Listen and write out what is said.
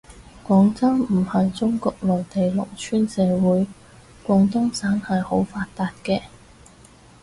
廣州唔係中國內地農村社會，廣東省係好發達嘅